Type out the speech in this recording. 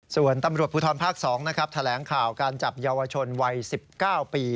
ส่วนตำรวจภูทรภาค๒นะครับแถลงข่าวการจับเยาวชนวัย๑๙ปี